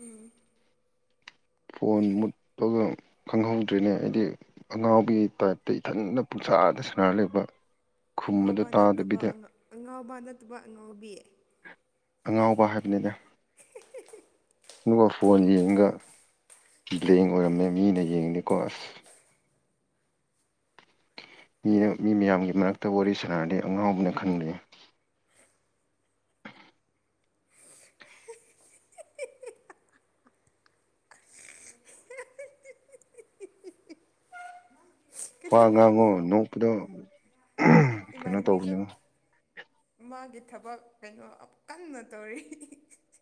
ꯎꯝ phone ꯃꯨꯠꯄꯒ ꯈꯪꯍꯧꯗ꯭ꯔꯤꯅꯦ ꯑꯩꯗꯤ ꯑꯉꯥꯎꯕꯤ ꯇꯥꯏꯞꯇ ꯏꯊꯟꯗ ꯄꯨꯡꯁꯥꯗ ꯁꯥꯔ ꯂꯩꯕ ꯈꯨꯝꯕꯗꯣ ꯑꯉꯥꯎꯕ ꯅꯠꯇꯕ ꯇꯥꯗꯕꯤꯗ ꯑꯉꯥ ꯑꯉꯥꯎꯕ ꯅꯠꯇꯕ ꯑꯉꯥꯎꯕꯤ ꯑꯉꯥꯎꯕ ꯍꯥꯏꯕꯅꯤꯗ ꯑꯗꯨꯒ ꯐꯣꯟ ꯌꯦꯡꯉꯒ ꯕ꯭ꯂꯦꯡ ꯑꯣꯏꯔꯝꯃꯦ ꯃꯤꯅ ꯌꯦꯡꯅꯦꯀꯣ ꯑꯁ ꯃꯤꯅ ꯃꯤ ꯃꯌꯥꯝꯒꯤ ꯃꯔꯛꯇ ꯋꯥꯔꯤ ꯁꯥꯟꯅꯔꯗꯤ ꯑꯉꯥꯎꯕꯅ ꯈꯟꯅꯤ ꯋꯥ ꯉꯥꯡꯉꯣ ꯅꯣꯛꯄꯗꯣ ꯀꯩꯅꯣ ꯏꯃꯥꯟꯅꯕꯤꯁꯨ ꯇꯧꯕꯅꯦ ꯃꯥꯒꯤ ꯊꯕꯛ ꯀꯩꯅꯣ ꯀꯟꯅ ꯇꯧꯔꯤ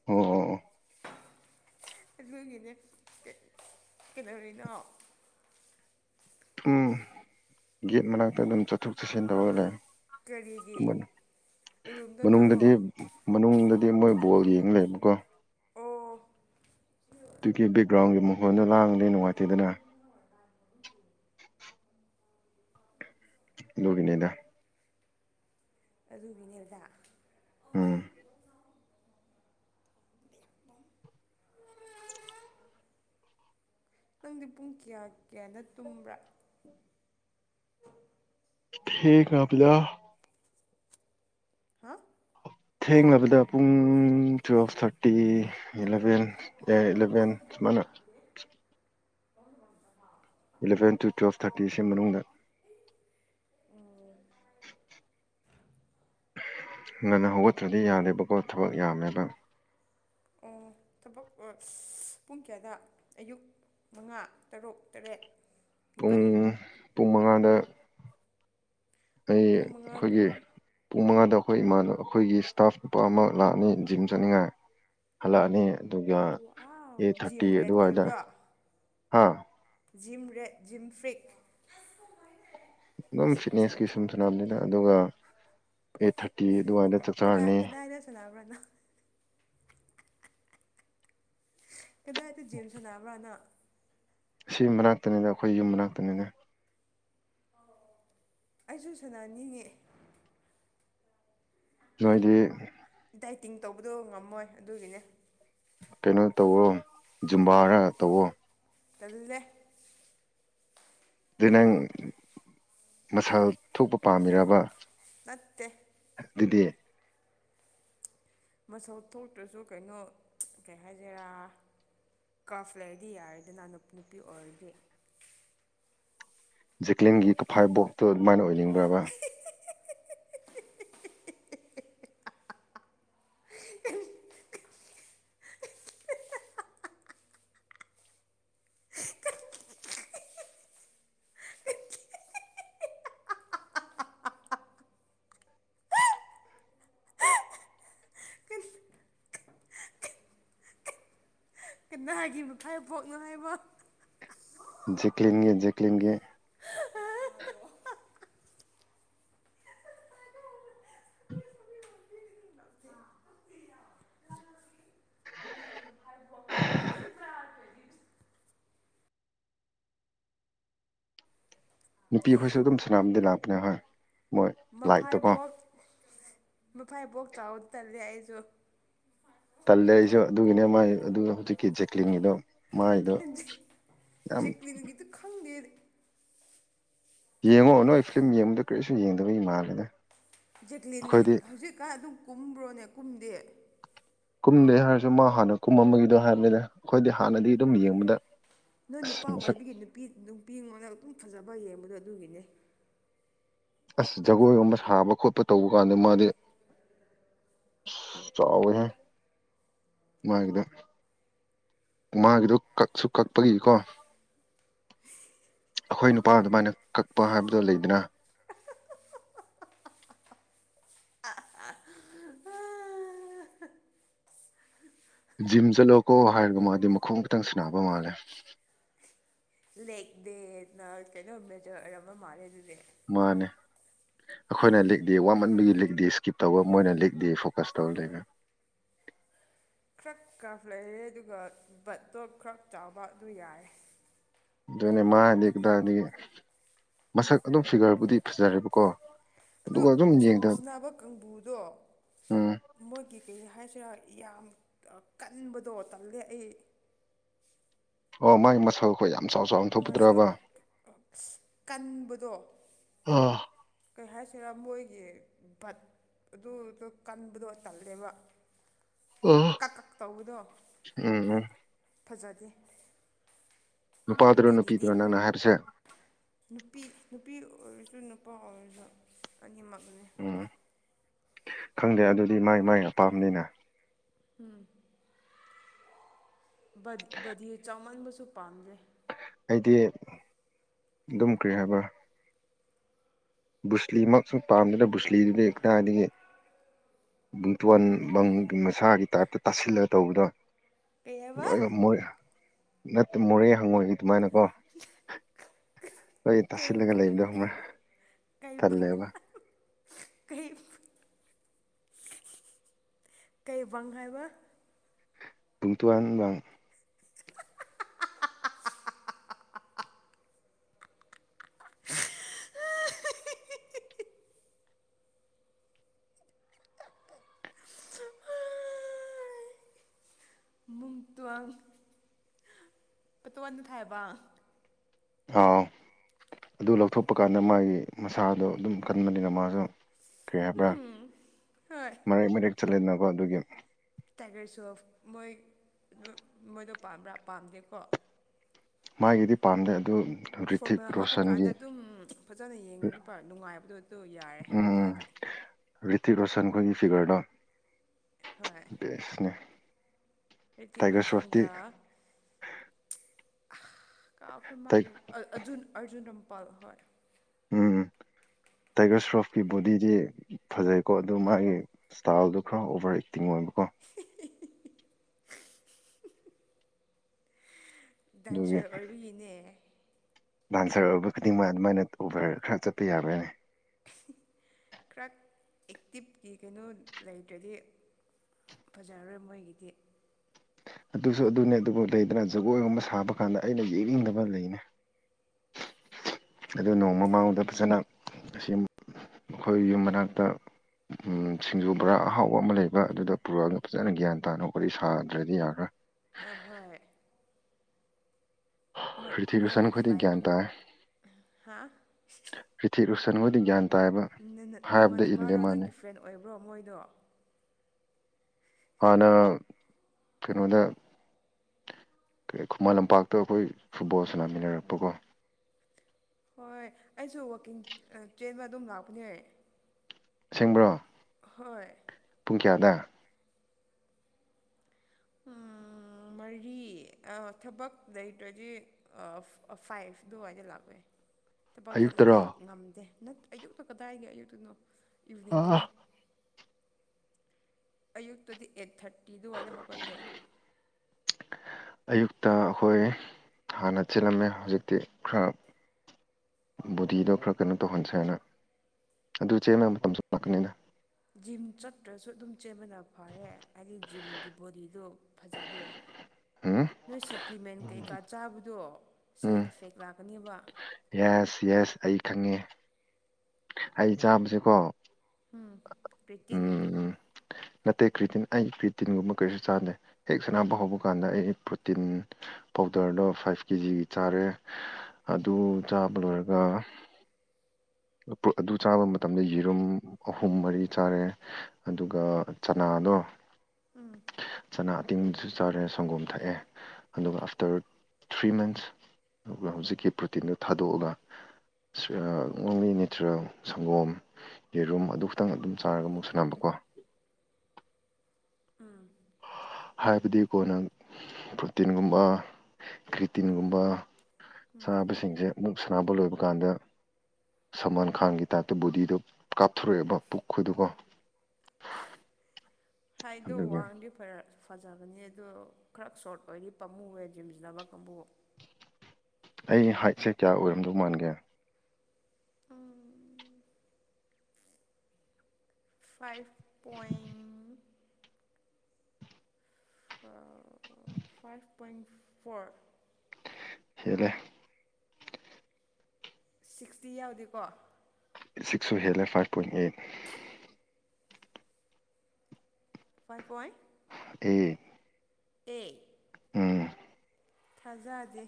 ꯑꯣ ꯑꯣ ꯑꯣ ꯑꯗꯨꯒꯤꯅꯦ ꯀꯩꯗꯧꯔꯤꯅꯣ ꯊꯨꯝ ꯒꯦꯠ ꯃꯅꯥꯛꯇ ꯑꯗꯨꯝ ꯆꯠꯊꯣꯛ ꯆꯠꯁꯤꯟ ꯇꯧꯔꯒ ꯂꯩ ꯀꯔꯤꯒꯤ ꯔꯨꯝꯗ ꯆꯪꯉꯣ ꯃꯅꯨꯡꯗꯗꯤ ꯃꯅꯨꯡꯗꯗꯤ ꯃꯣꯏ ꯕꯣꯜ ꯌꯦꯡ ꯂꯩꯕꯀꯣ ꯑꯣ ꯑꯗꯨꯒꯤ ꯕꯦꯛꯒ꯭ꯔꯥꯎꯟꯒꯤ ꯃꯈꯣꯟꯗꯨ ꯂꯥꯡꯉꯗꯤ ꯅꯨꯡꯉꯥꯏꯇꯦꯗꯅ ꯑꯗꯨꯒꯤꯅꯤꯗ ꯑꯗꯨꯒꯤꯅꯤꯗ ꯎꯝ ꯅꯪꯗꯤ ꯄꯨꯡ ꯀ꯭ꯌꯥ ꯀ꯭ꯌꯥꯗ ꯇꯨꯝꯕ꯭ꯔꯥ ꯊꯦꯡꯉꯕꯗ ꯍꯥ ꯊꯦꯡꯂꯕꯗ ꯄꯨꯡ ꯇꯨꯋꯦꯜꯐ ꯊꯥꯔꯇꯤ ꯏꯂꯕꯦꯟ ꯑꯦ ꯏꯂꯚꯦꯟ ꯁꯨꯃꯥꯏꯅ ꯏꯂꯕꯦꯟ ꯇꯨ ꯇꯨꯋꯦꯜꯞ ꯊꯥꯔꯇꯤꯁꯤ ꯃꯅꯨꯡꯗ ꯉꯟꯅ ꯍꯧꯒꯠꯇ꯭ꯔꯗꯤ ꯌꯥꯗꯦꯕꯀꯣ ꯊꯕꯛ ꯌꯥꯝꯃꯦꯕ ꯑꯣꯠꯁ ꯄꯨꯡ ꯀꯌꯥꯗ ꯑꯌꯨꯛ ꯃꯉꯥ ꯇꯔꯨꯛ ꯇꯔꯦꯠ ꯅꯤꯄꯟ ꯄꯨꯡ ꯄꯨꯡ ꯃꯉꯥꯗ ꯑꯩ ꯄꯨꯡ ꯃꯉꯥ ꯈꯣꯏꯒꯤ ꯄꯨꯡ ꯃꯉꯥꯗ ꯈꯣꯏ ꯏꯃꯥꯟꯅ ꯈꯣꯏꯒꯤ ꯁ꯭ꯇꯥꯐ ꯅꯨꯨꯄꯥ ꯑꯃ ꯂꯥꯛꯑꯅꯤ ꯖꯤꯝ ꯆꯠꯅꯤꯡꯉꯥꯏ ꯍꯜꯂꯛꯑꯅꯤ ꯑꯗꯨꯒ ꯋꯥꯎ ꯑꯦꯠ ꯊꯥꯔꯇꯤ ꯖꯤꯝ ꯔꯦꯠ ꯑꯗꯨꯋꯥꯏꯗ ꯑꯣꯏꯕ꯭ꯔꯣ ꯍꯥꯥ ꯖꯤꯝ ꯔꯦꯠ ꯖꯤꯝ ꯐ꯭ꯔꯤ ꯑꯗꯨꯝ ꯐꯤꯠꯅꯦꯁꯀꯤ ꯁꯨꯝ ꯁꯥꯅꯕꯅꯤꯗ ꯑꯗꯨꯒ ꯑꯦꯠ ꯊꯥꯔꯇꯤ ꯑꯗꯨꯋꯥꯏꯗ ꯆꯥꯛ ꯀꯗꯥꯏ ꯆꯥꯔꯅꯤ ꯀꯗꯥꯏꯗ ꯁꯅꯥꯕ꯭ꯔꯥ ꯅꯪ ꯀꯗꯥꯏꯗ ꯖꯤꯝ ꯁꯥꯟꯅꯕ꯭ꯔꯥ ꯅꯪ ꯁꯤ ꯃꯅꯥꯛꯇꯅꯤꯗ ꯈꯣꯏ ꯌꯨꯝ ꯃꯅꯥꯛꯇꯅꯤꯗ ꯑꯩꯁꯨ ꯁꯅꯥꯅꯤꯡꯉꯦ ꯅꯣꯢꯗꯤ ꯗꯥꯏꯇꯤꯡ ꯇꯧꯕꯗꯣ ꯉꯝꯃꯣꯏ ꯑꯗꯨꯒꯤꯅꯦ ꯀꯩꯅꯣ ꯇꯧꯋꯣ ꯖꯨꯝꯕꯥꯔ ꯇꯧꯋꯣ ꯇꯜꯂꯦ ꯑꯗꯨ ꯅꯪ ꯃꯁꯜ ꯊꯣꯛꯄ ꯄꯥꯝꯃꯤꯔꯕ ꯅꯠꯇꯦ ꯑꯗꯨꯗꯤ ꯃꯁꯜ ꯊꯣꯛꯇ꯭ꯔꯁꯨ ꯀꯩꯅꯣ ꯀꯩ ꯍꯥꯏꯖꯤꯔꯥ ꯀꯥꯐ ꯂꯩꯔꯗꯤ ꯌꯥꯔꯦꯗꯅ ꯅꯨꯄꯤ ꯑꯣꯏꯔꯗꯤ ꯖꯦꯀ꯭ꯂꯤꯟꯒꯤ ꯐꯥꯏꯕꯣꯛꯇꯣ ꯑꯗꯨꯃꯥꯏꯅ ꯑꯣꯏꯅꯤꯡꯕ꯭ꯔꯥꯕ [unintelligible] ꯀꯅꯥꯒꯤ ꯐꯥꯏꯕꯣꯛꯅꯣ ꯍꯥꯏꯕ ꯖꯦꯀ꯭ꯂꯤꯟꯒꯤ ꯖꯦꯀ꯭ꯂꯤꯟꯒꯤ [unintelligible] ꯅꯨꯄꯤ ꯑꯩꯈꯣꯏꯁꯨ ꯑꯗꯨꯝ ꯁꯅꯥꯕꯗꯤ ꯂꯥꯛꯄꯅꯦ ꯍꯣꯏ ꯃꯣꯏ ꯂꯥꯏꯠꯇꯀꯣ ꯃꯐꯥꯏꯕꯣꯛ ꯃꯐꯥꯏꯕꯣꯛ ꯆꯥꯎꯕꯗꯤ ꯇꯜꯂꯦ ꯑꯩꯖꯨ ꯇꯜꯂꯦ ꯑꯩꯁꯨ ꯑꯗꯨꯒꯤꯅꯦ ꯃꯥꯏ ꯑꯗꯨ ꯍꯧꯖꯤꯛꯀꯤ ꯖꯦꯀ꯭ꯂꯤꯟꯒꯤꯗꯣ ꯃꯥꯏꯗꯣ ꯌꯥꯝ ꯖꯦꯀ꯭ꯂꯤꯟꯒꯤꯗꯨ ꯈꯪꯗꯦ ꯌꯦꯡꯉꯣ ꯅꯣꯏ ꯐ꯭ꯂꯤꯝ ꯌꯦꯡꯕꯗ ꯀꯔꯤꯁꯨ ꯌꯦꯡꯗꯕꯒꯤ ꯃꯥꯜꯂꯦꯗ ꯖꯦꯛꯂꯤꯟꯒꯤ ꯑꯩꯈꯣꯏꯗꯤ ꯍꯧꯖꯤꯛꯀꯟ ꯑꯗꯨꯝ ꯀꯨꯝꯕ꯭ꯔꯣꯅꯦ ꯀꯨꯝꯗꯦ ꯀꯨꯝꯗꯦ ꯍꯥꯏꯔꯁꯨ ꯃꯥ ꯍꯥꯟꯅ ꯀꯨꯝꯃꯝꯕꯒꯤꯗꯣ ꯍꯥꯏꯅꯤꯗ ꯑꯩꯈꯣꯏꯗꯤ ꯍꯥꯟꯅꯗꯤ ꯑꯗꯨꯝ ꯌꯦꯡꯕꯗ ꯅꯣꯏ ꯑꯁ ꯅꯨꯄꯥ ꯃꯁꯛ ꯑꯣꯏꯕꯒꯤ ꯅꯨꯄꯤ ꯅꯨꯄꯤꯉꯣꯟꯗ ꯑꯗꯨꯝ ꯐꯖꯕ ꯌꯦꯡꯕꯗꯣ ꯑꯗꯨꯒꯤꯅꯦ ꯑꯁ ꯖꯒꯣꯏꯒꯨꯝꯕ ꯁꯥꯕ ꯈꯣꯠꯄ ꯇꯧꯕ ꯀꯥꯟꯗ ꯃꯥꯗꯤ ꯆꯥꯎꯋꯦꯍꯦ ꯃꯥꯒꯤꯗꯣ ꯃꯥꯒꯤꯗꯣ ꯀꯛꯁꯨ ꯀꯛꯄꯒꯤꯀꯣ ꯑꯩꯈꯣꯏ ꯅꯨꯄꯥ ꯑꯗꯨꯃꯥꯏꯅ ꯀꯛꯄ ꯍꯥꯏꯕꯗꯣ ꯂꯩꯗꯅ ꯖꯤꯝ ꯆꯠꯂꯣꯀꯣ ꯍꯥꯏꯔꯒ ꯃꯥꯗꯤ ꯃꯈꯣꯡ ꯈꯤꯇꯪ ꯁꯥꯅꯕ ꯃꯥꯜꯂꯦ ꯂꯦꯛ ꯗꯦꯅ ꯀꯩꯅꯣ ꯃꯦꯖꯔ ꯑꯣꯢꯔꯝꯕ ꯃꯥꯜꯂꯦ ꯑꯗꯨꯗꯤ ꯃꯥꯟꯅꯦ ꯑꯩꯈꯣꯏꯅ ꯂꯦꯛꯗꯦ ꯋꯥꯃꯟꯕꯒꯤ ꯂꯦꯛꯗꯦ ꯏꯁꯀꯤꯞ ꯇꯧꯕ ꯃꯣꯏꯅ ꯂꯦꯛꯗꯦ ꯐꯣꯀꯁ ꯇꯧꯔ ꯂꯩꯔꯦ ꯈꯔ ꯀꯞ ꯂꯩꯔꯦ ꯑꯗꯨꯒ ꯕꯇꯣꯞ ꯈꯔ ꯆꯥꯎꯕ ꯑꯗꯨ ꯌꯥꯔꯦ ꯑꯗꯨꯅꯦ ꯃꯥ ꯗꯤ ꯀꯗꯥꯏꯗꯒꯤ ꯃꯁꯛ ꯑꯗꯨꯝ ꯐꯤꯒꯔꯕꯨꯗꯤ ꯐꯖꯔꯦꯕꯀꯣ ꯑꯗꯨ ꯑꯗꯨꯒ ꯑꯗꯨꯝ ꯌꯦꯡꯗ ꯖꯤꯝꯁ ꯅꯥꯕ ꯀꯥꯡꯕꯨꯗꯣ ꯎꯝ ꯃꯣꯏꯒꯤ ꯀꯩ ꯍꯥꯏꯁꯤꯔꯥ ꯌꯥꯝ ꯀꯟꯕꯗꯣ ꯇꯜꯂꯦ ꯑꯩ ꯑꯣ ꯃꯥꯏꯃꯁꯜ ꯑꯩꯈꯣꯏ ꯌꯥꯝ ꯆꯥꯎ ꯆꯥꯎꯅ ꯃꯁꯜ ꯊꯣꯛꯄꯗ꯭ꯔꯕ ꯀꯟꯕꯗꯣ ꯑ ꯀꯩ ꯍꯥꯏꯁꯤꯔꯥ ꯃꯣꯏꯒꯤ ꯚꯠ ꯑꯗꯨꯗꯣ ꯀꯟꯕꯗꯣ ꯇꯜꯂꯦꯕ ꯑ ꯀꯛ ꯀꯛ ꯇꯧꯕꯗꯣ ꯎꯝ ꯎꯝ ꯐꯥꯖꯗꯦ ꯅꯨꯄꯥꯗꯨꯔꯣ ꯅꯨꯄꯤꯗꯨꯔꯣ ꯅꯪꯅ ꯍꯥꯏꯔꯤꯁꯦ ꯅꯨꯄꯤ ꯅꯨꯄꯤ ꯑꯣꯏꯔꯁꯨ ꯅꯨꯄꯥ ꯑꯣꯏꯔꯁꯨ ꯑꯅꯤꯃꯛꯅꯤ ꯎꯝ ꯈꯪꯗꯦ ꯑꯗꯨꯗꯤ ꯃꯥꯏ ꯃꯥꯏ ꯑꯄꯥꯝꯕꯅꯤꯅ ꯎꯝ ꯕꯗꯤ ꯆꯥꯎꯃꯟꯕꯁꯨ ꯄꯥꯝꯖꯦ ꯑꯩꯗꯤ ꯑꯗꯨꯝ ꯀꯔꯤ ꯍꯥꯏꯕ꯭ꯔꯥ ꯕꯨꯨꯁꯂꯤꯃꯛ ꯁꯨ ꯄꯥꯝꯗꯦ ꯕꯨꯨꯁꯂꯤꯗꯨꯗꯤ ꯀꯗꯥꯏꯗꯒꯤ ꯕꯨꯡꯇꯣꯟ ꯕꯪꯒꯤ ꯃꯁꯥꯒꯤ ꯇꯥꯏꯞꯇ ꯇꯥꯁꯤꯜꯂꯒ ꯇꯧꯕꯗꯣ ꯀꯩ ꯍꯥꯏꯕ ꯂꯣꯏꯃꯛ ꯅꯠꯇꯦ ꯃꯣꯔꯦ ꯍꯪꯉꯣꯏꯒꯤ ꯑꯗꯨꯃꯥꯏꯅꯀꯣ [unintelligible] ꯂꯣꯏ ꯀꯩ ꯇꯥꯁꯤꯜꯂꯒ ꯂꯩꯕꯗꯣ ꯀꯩ ꯈꯪꯕ꯭ꯔꯥ ꯀꯩꯕ ꯇꯜꯂꯦꯕ ꯀꯩꯕꯪ ꯍꯥꯏꯕ ꯕꯨꯡꯇꯣꯟ ꯕꯪ ꯇꯣꯜ [unintelligible] ꯑꯥꯎ ꯑꯗꯨ ꯂꯧꯊꯣꯛꯄ ꯀꯥꯟꯗ ꯃꯥꯒꯤ ꯃꯁꯥꯗꯣ ꯑꯗꯨꯝ ꯀꯟꯕꯅꯤꯅ ꯃꯥꯁꯨ ꯀꯩ ꯍꯥꯏꯕ꯭ꯔꯥ ꯍꯣꯏ ꯃꯔꯦꯛ ꯃꯔꯦꯛ ꯆꯠꯂꯦꯗꯅꯀꯣ ꯑꯗꯨꯒꯤ ꯇꯥꯏꯒꯔ ꯁꯣꯞ ꯃꯣꯏ ꯃꯣꯏꯗꯣ ꯄꯥꯝꯕ꯭ꯔꯥ ꯄꯥꯝꯗꯦꯀꯣ ꯃꯥꯒꯤꯗꯤ ꯄꯥꯝꯗꯦ ꯑꯗꯨ ꯔꯤꯊꯤꯛ ꯐꯣꯔꯃꯦꯜ ꯍꯥꯞꯄꯀꯥꯟꯗ ꯔꯣꯁꯟꯒꯤ ꯑꯗꯨꯝ ꯐꯖꯅ ꯌꯦꯡ ꯅꯨꯄꯥ ꯅꯨꯡꯉꯥꯏꯕꯗꯣ ꯑꯗꯨ ꯌꯥꯔꯦ ꯎꯝ ꯅꯨꯄꯥꯗꯤ ꯔꯤꯇꯤꯛ ꯔꯣꯁꯟꯈꯣꯏꯒꯤ ꯐꯤꯒꯔꯗꯣ ꯍꯣꯏ ꯕꯦꯁꯅꯦ ꯔꯤꯇꯤꯛ ꯇꯥꯏꯒꯔ ꯁ꯭ꯔꯣꯐꯇꯤ ꯔꯣꯁꯟꯒꯥ ꯀꯥꯎꯈꯔꯦ ꯇꯥꯏ ꯃꯥꯒꯤ ꯃꯥꯒꯤꯑꯔꯖꯨꯟ ꯔꯝꯄꯥꯜ ꯍꯣꯏ ꯎꯝ ꯇꯥꯏꯒꯔ ꯁꯔꯣꯞꯀꯤ ꯕꯣꯗꯤꯗꯤ ꯐꯖꯩꯀꯣ ꯑꯗꯨ ꯃꯥꯒꯤ ꯏꯁꯇꯥꯏꯜꯗꯣ ꯈꯔ ꯑꯣꯚꯔ ꯑꯦꯛꯇꯤꯡ ꯑꯣꯏꯕꯀꯣ ꯑꯗꯨꯒꯤ ꯗꯥꯟꯁꯔ ꯑꯣꯏꯕꯒꯤꯅꯦ ꯗꯥꯟꯁꯔ ꯑꯣꯏꯕ ꯈꯨꯗꯤꯡꯃꯛ ꯑꯗꯨꯃꯥꯏꯅ ꯇꯧꯕꯔ ꯈꯔ ꯆꯠꯄ ꯌꯥꯕ꯭ꯔꯥꯅꯦ ꯈ꯭ꯔꯠ ꯑꯦꯛꯇꯤꯞꯀꯤ ꯀꯩꯅꯣ ꯂꯩꯇ꯭ꯔꯗꯤ ꯐꯖꯔꯔꯣꯏ ꯃꯣꯏꯒꯤꯗꯤ ꯑꯗꯨꯖꯨ ꯑꯗꯨꯅꯦ ꯑꯗꯨꯕꯨ ꯂꯩꯗꯅ ꯖꯒꯣꯏꯒꯨꯝꯕ ꯁꯥꯕ ꯀꯥꯟꯗ ꯑꯩꯅ ꯌꯦꯛꯅꯤꯡꯗꯕ ꯂꯩꯅꯦ ꯑꯗꯨ ꯅꯣꯡꯃ ꯃꯉꯣꯟꯗ ꯐꯖꯅ ꯑꯁꯤ ꯑꯈꯣꯏ ꯌꯨꯝ ꯃꯅꯥꯛꯇ ꯎꯝ ꯁꯤꯡꯖꯨ ꯕꯣꯔꯥ ꯑꯍꯥꯎꯕ ꯑꯃ ꯂꯩꯕ ꯑꯗꯨꯗ ꯄꯨꯔꯥꯑꯒ ꯐꯖꯅ ꯒ꯭ꯌꯥꯟ ꯇꯥꯅ ꯋꯥꯔꯤ ꯁꯥꯗ꯭ꯔꯗꯤ ꯌꯥꯔꯣꯏ ꯑꯦꯍꯣꯏ ꯃꯣꯏ ꯔꯤꯊꯤꯛ ꯔꯣꯁꯟ ꯃꯥꯒꯤ ꯈꯣꯏꯗꯤ ꯐ꯭ꯂꯥꯏꯠ ꯒꯌ꯭ꯥꯟ ꯇꯥꯏ ꯍꯥ ꯔꯤꯊꯤꯛ ꯔꯣꯁꯟꯈꯣꯏꯗꯤ ꯒ꯭ꯌꯥꯟ ꯇꯥꯏꯕ ꯍꯥꯏꯕꯗ ꯏꯜꯂꯦ ꯃꯥꯅꯤ ꯄ꯭ꯔꯦꯟ ꯑꯣꯏꯕ꯭ꯔꯣ ꯃꯣꯏꯗꯣ ꯍꯥꯟꯅ ꯀꯩꯅꯣꯗ ꯀ ꯈꯨꯃꯟ ꯂꯝꯄꯥꯛꯇ ꯑꯈꯣꯏ ꯐꯨꯠꯕꯣꯜ ꯁꯅꯥꯃꯤꯟꯅꯔꯛꯄꯀꯣ ꯍꯣꯏ ꯑꯩꯁꯨ ꯋꯥꯛꯀꯤꯡ ꯑ ꯆꯦꯟꯕ ꯑꯗꯨꯝ ꯂꯥꯛꯄꯅꯦ ꯑꯁꯦꯡꯕ꯭ꯔꯣ ꯍꯣꯏ ꯄꯨꯡ ꯀ꯭ꯌꯥꯗ ꯎꯝ ꯃꯔꯤ ꯑ ꯊꯕꯛ ꯂꯩꯇ꯭ꯔꯗꯤ ꯑꯩ ꯐꯥꯏꯚ ꯗꯨꯋꯥꯏꯗ ꯂꯥꯛꯄꯩ ꯊꯕꯛ ꯆꯠꯂꯗꯤ ꯑꯌꯨꯛꯇꯔꯣ ꯉꯝꯗꯦ ꯅꯠ ꯑꯌꯨꯛꯇ ꯀꯗꯥꯏꯒꯤ ꯑꯌꯨꯛꯇꯨꯅꯣ ꯑꯥ ꯏꯚꯤꯅꯤꯡꯗꯅꯦ ꯑꯌꯨꯛꯇꯗꯤ ꯑꯦꯠ ꯊꯥꯔꯇꯤ ꯗꯨꯋꯥꯏꯗ ꯍꯧꯒꯠꯂꯦ ꯑꯌꯨꯛꯇ ꯑꯈꯣꯏ ꯍꯥꯟꯅ ꯆꯦꯜꯂꯝꯃꯦ ꯍꯧꯖꯤꯛꯇꯤ ꯈ꯭ꯔ ꯕꯣꯗꯤꯗꯣ ꯈ꯭ꯔ ꯀꯩꯅꯣ ꯇꯧꯍꯟꯁꯦ ꯍꯥꯏꯅ ꯑꯗꯨ ꯆꯦꯟꯕ ꯃꯇꯝꯁꯨ ꯂꯥꯛꯀꯅꯤꯗ ꯖꯤꯝ ꯆꯠꯇ꯭ꯔꯁꯨ ꯑꯗꯨꯝ ꯆꯦꯟꯕꯅ ꯐꯥꯔꯦ ꯍꯥꯏꯗꯤ ꯖꯤꯝꯒꯤ ꯕꯣꯗꯤꯗꯨ ꯐꯖꯗꯦ ꯎꯝ ꯅꯣꯏ ꯁꯄ꯭ꯂꯤꯃꯦꯟ ꯀꯩꯀꯥ ꯆꯥꯕꯗꯣ ꯁꯥꯏꯛ ꯎꯝ ꯑꯦꯐꯦꯛ ꯂꯥꯛꯀꯅꯤꯕ ꯌꯦꯁ ꯌꯦꯁ ꯑꯩ ꯈꯪꯉꯦ ꯑꯩ ꯆꯥꯕꯁꯦꯀꯣ ꯎꯝ ꯀ꯭ꯔꯦꯇꯤꯟ ꯎꯝ ꯅꯠꯇꯦ ꯀ꯭ꯔꯤꯇꯤꯟ ꯑꯩ ꯀ꯭ꯔꯤꯇꯤꯟꯒꯨꯝꯕ ꯀꯔꯤꯁꯨ ꯆꯥꯗꯦ ꯍꯦꯛ ꯁꯅꯥꯕ ꯍꯧꯕ ꯀꯥꯟꯗ ꯑꯩ ꯄ꯭ꯔꯨꯇꯤꯟ ꯄꯥꯎꯗꯔꯗꯣ ꯐꯥꯏꯚ ꯀꯦꯖꯤꯒꯤ ꯆꯥꯔꯦ ꯑꯗꯨ ꯆꯥꯕ ꯂꯣꯏꯔꯒ ꯄ꯭ꯔꯣ ꯑꯗꯨ ꯆꯥꯕ ꯃꯇꯝꯗ ꯌꯤꯔꯨꯝ ꯑꯍꯨꯝ ꯃꯔꯤ ꯆꯥꯔꯦ ꯑꯗꯨꯒ ꯆꯅꯥꯗꯣ ꯎꯝ ꯆꯅꯥ ꯑꯇꯤꯡꯗꯨꯁꯨ ꯆꯥꯔꯦ ꯁꯪꯒꯣꯝ ꯊꯑꯦ ꯑꯗꯨꯒ ꯑꯥꯐꯇꯔ ꯊ꯭ꯔꯤ ꯃꯟꯁ ꯗꯨꯒ ꯍꯧꯖꯤꯛꯀꯤ ꯄ꯭ꯔꯨꯇꯤꯟꯗꯨ ꯊꯥꯗꯣꯛꯑꯒ ꯁꯨꯌꯥ ꯑꯣꯡꯂꯤ ꯅꯦꯆꯔꯦꯜ ꯁꯪꯒꯣꯝ ꯌꯦꯔꯨꯝ ꯑꯗꯨ ꯈꯇꯪ ꯑꯗꯨꯝ ꯆꯥꯔꯒ ꯑꯃꯨꯛ ꯁꯅꯥꯕꯀꯣ ꯎꯝ ꯍꯥꯏꯕꯗꯤ ꯀꯣꯟꯅ ꯄ꯭ꯔꯨꯇꯤꯟꯒꯨꯝꯕ ꯀ꯭ꯔꯤꯇꯤꯟꯒꯨꯝꯕ ꯆꯥꯕꯁꯤꯡꯖꯦ ꯑꯃꯨꯛ ꯁꯅꯥꯕ ꯂꯣꯏꯕ ꯀꯥꯟꯗ ꯁꯜꯃꯥꯟ ꯈꯥꯟꯒꯤ ꯇꯥꯏꯞꯇ ꯕꯣꯗꯤꯗꯣ ꯀꯥꯞꯊꯣꯔꯦꯑꯦꯕ ꯄꯨꯛ ꯈꯣꯏꯗꯨꯀꯣ ꯍꯥꯏꯗꯣ ꯑꯗꯨꯒꯤ ꯋꯥꯡꯒꯤꯞ ꯐꯔ ꯐꯖꯕꯅꯦ ꯑꯗꯣ ꯈꯔ ꯁꯣꯔꯠ ꯑꯣꯏꯗꯤ ꯄꯝꯃꯨꯋꯦ ꯖꯤꯝ ꯁꯅꯥꯕ ꯀꯥꯡꯕꯨ ꯑꯩ ꯍꯥꯏꯠꯁꯦ ꯀꯌꯥ ꯑꯣꯏꯔꯝꯗꯧ ꯃꯥꯟꯒꯦ ꯎꯝ ꯐꯥꯏꯚ ꯄꯣꯏꯟ ꯑꯥ ꯐꯥꯏꯚ ꯄꯣꯏꯟ ꯐꯣꯔ ꯍꯦꯜꯂꯦ ꯁꯤꯛꯁꯇꯤ ꯌꯥꯎꯗꯦꯀꯣ ꯁꯤꯛꯁꯁꯨ ꯍꯦꯜꯂꯦ ꯐꯥꯏꯚ ꯄꯣꯏꯟ ꯑꯦ ꯐꯥꯏꯚ ꯄꯣꯏꯟ [unintelligible] ꯑꯦ ꯎꯝ ꯊꯥꯖꯗꯦ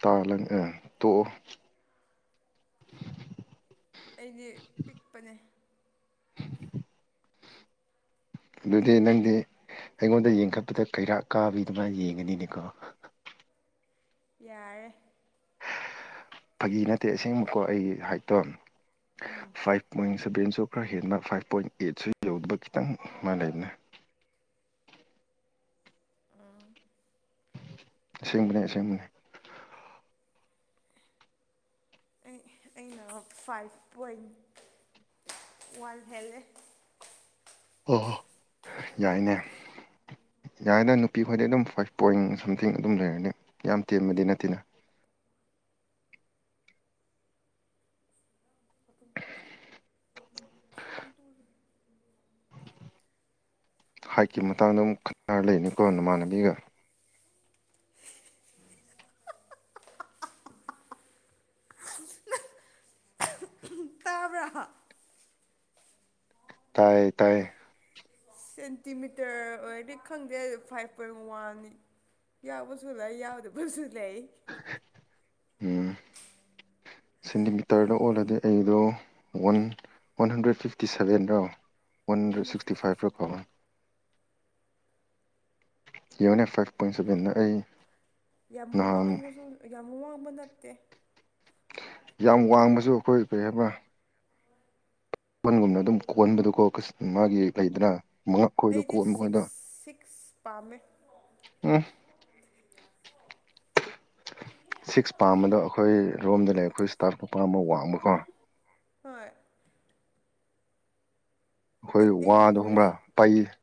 ꯇꯥ ꯂꯪ ꯑ ꯇꯣꯛꯑꯣ ꯑꯩꯗꯤ ꯄꯤꯛꯄꯅꯦ ꯑꯗꯨꯗꯤ ꯅꯪꯗꯤ ꯑꯩꯉꯣꯟꯗ ꯌꯦꯡꯈꯠꯄꯗ ꯀꯩꯔꯥꯛ ꯀꯥꯕꯤ ꯑꯗꯨꯃꯥꯏꯅ ꯌꯦꯡꯉꯦꯅꯦꯅꯦꯀꯣ ꯌꯥꯔꯦ ꯐꯥꯒꯤ ꯅꯠꯇꯦ ꯑꯁꯦꯡꯕꯀꯣ ꯑꯩꯒꯤ ꯍꯥꯏꯠꯇꯣ ꯐꯥꯏꯚ ꯄꯣꯏꯟ ꯁꯕꯦꯟꯁꯨ ꯈꯔ ꯍꯦꯟꯕ ꯐꯥꯏꯚ ꯄꯣꯏꯟ ꯑꯩꯠꯁꯨ ꯌꯧꯕ ꯈꯤꯇꯪ ꯃꯥ ꯂꯩꯕꯅꯦ ꯑꯥ ꯑꯁꯦꯡꯕꯅꯦ ꯑꯁꯦꯡꯕꯅꯦ ꯑꯩ ꯑꯩꯅ ꯐꯥꯏꯚ ꯄꯣꯏꯟ ꯋꯥꯟ ꯍꯦꯜꯂꯦ ꯑꯣ ꯍꯣ ꯌꯥꯏꯅꯦ ꯌꯥꯏꯗ ꯅꯨꯄꯤ ꯈꯣꯏꯗꯤ ꯑꯗꯨꯝ ꯐꯥꯏꯚ ꯄꯣꯏꯟ ꯁꯝꯊꯤꯡ ꯑꯗꯨꯝ ꯂꯩꯔꯗꯤ ꯌꯥꯝ ꯇꯦꯟꯕꯗꯤ ꯅꯠꯇꯦꯅ [unintelligible] ꯍꯥꯏꯠꯀꯤ ꯃꯇꯥꯡꯗ ꯑꯃꯨꯛ ꯈꯠꯅꯔ ꯂꯩꯅꯨꯀꯣ ꯅꯃꯥꯟꯅꯕꯤꯒ [unintelligible] [unintelligible] ꯇꯥꯕ꯭ꯔꯥ ꯇꯥꯏꯌꯦ ꯇꯥꯏꯌꯦ ꯁꯦꯟꯇꯤꯃꯤꯇꯔ ꯑꯣꯏꯔꯗꯤ ꯈꯪꯗꯦ ꯐꯥꯏꯚ ꯄꯣꯏꯟ ꯋꯥꯟꯅꯦ ꯌꯥꯎꯕꯁꯨ ꯂꯩ ꯌꯥꯎꯗꯕꯁꯨ ꯂꯩ ꯎꯝ ꯁꯦꯟꯇꯤꯃꯤꯇꯔꯗ ꯑꯣꯜꯂꯗꯤ ꯑꯩꯗꯣ ꯋꯥꯟ ꯋꯥꯟ ꯍꯟꯗ꯭ꯔꯦꯠ ꯐꯤꯞꯇꯤ ꯁꯕꯦꯟꯔꯣ ꯋꯥꯟ ꯍꯟꯗ꯭ꯔꯦꯠ ꯁꯤꯛꯁꯇꯤ ꯐꯥꯏꯚꯔꯣ ꯀꯧꯔꯦꯒꯧꯧꯧꯧꯇꯇꯇꯇꯇꯇꯇꯦꯧꯧꯧꯧꯧꯛ ꯌꯦꯉꯣꯅꯦ ꯐꯥꯏꯚ ꯄꯣꯏꯟ ꯁꯕꯦꯟꯅ ꯑꯩ ꯌꯥꯝ ꯅꯍꯥꯟ ꯋꯥꯡꯕꯁꯨ ꯌꯥꯝ ꯋꯥꯡꯕ ꯅꯠꯇꯦ ꯌꯥꯝ ꯋꯥꯡꯕꯁꯨ ꯑꯩꯈꯣꯏ ꯀꯔꯤ ꯍꯥꯏꯕ [unintelligible] ꯑꯗꯨꯝ ꯀꯣꯟꯣꯟꯕꯗꯨꯀꯣ [unintelligible] ꯃꯥꯒꯤ ꯂꯩꯗꯅ ꯃꯉꯛ ꯈꯣꯏꯗꯣ ꯑꯩꯗꯤ ꯀꯣꯟꯕ ꯈꯣꯏꯗꯣ ꯁꯤꯛꯁ ꯁꯤꯛꯁ ꯄꯥꯝꯃꯦ ꯎꯝ ꯁꯤꯛꯁ ꯄꯥꯝꯕꯗꯣ ꯑꯩꯈꯣꯏ ꯔꯣꯝꯗ ꯂꯩꯕ ꯑꯩꯈꯣꯏ ꯏꯁꯇꯥꯐꯅꯨꯄꯥ ꯋꯥꯡꯕꯀꯣ ꯍꯣꯏ ꯑꯩꯈꯣꯏ ꯑꯩ ꯑꯩꯒꯤ ꯋꯥꯗꯣ ꯀ꯭ꯔꯁ ꯈꯪꯕ꯭ꯔꯥ ꯄꯩ